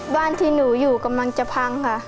บ้านที่หนูอยู่กำลังจะพังค่ะ